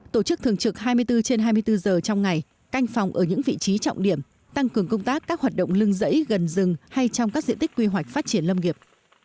tổ chức thường trực hai mươi bốn trên hai mươi bốn giờ trong ngày canh phòng ở những vị trí trọng điểm tăng cường công tác các hoạt động lưng dãy gần rừng hay trong các diện tích quy hoạch phát triển lâm nghiệp